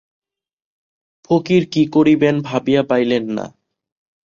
ফকির কী করিবেন ভাবিয়া পাইলেন না।